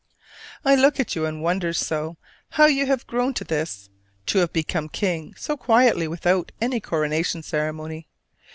I look at you and wonder so how you have grown to this to have become king so quietly without any coronation ceremony.